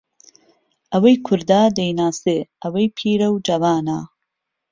ئەوەی کوردە دەیناسێ ئەوەی پیرەو جەوانە